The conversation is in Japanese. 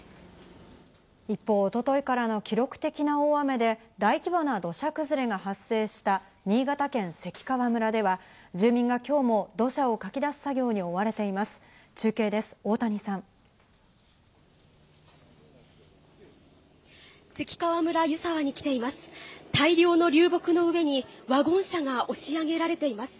一方、一昨日からの記録的な大雨で大規模な土砂崩れが発生した新潟県関川村では住民が今日も土砂をかき出す作業に追われています。